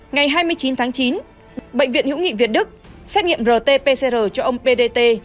ngày hai mươi chín tháng chín bệnh viện hữu nghị việt đức xét nghiệm rt pcr cho ông p d t